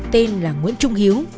tên là nguyễn trung hiếu